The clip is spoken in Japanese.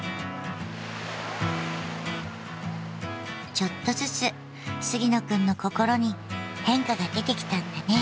ちょっとずつ杉野くんの心に変化が出てきたんだね。